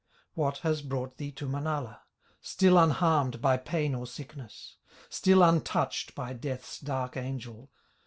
What has brought thee to Manala, Still unharmed by pain or sickness, Still untouched by Death's dark angels?"